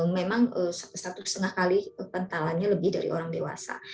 memang satu setengah kali pentalannya lebih dari orang dewasa